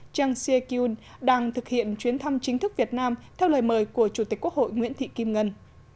chang seo kyun đang thực hiện chuyến thăm chính thức việt nam theo lời mời của chủ tịch quốc hội nguyễn thị kim ngân